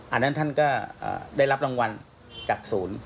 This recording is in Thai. อันนั้นท่านก็ได้รับรางวัลจากศูนย์